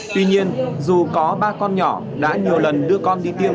tuy nhiên dù có ba con nhỏ đã nhiều lần đưa con đi tiêm